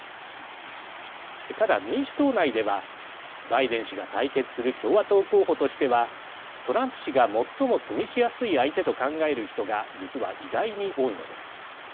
ただ民主党内ではバイデン氏が対決する共和党候補としてはトランプ氏が最もくみしやすい相手と考える人が実は意外に多いのです。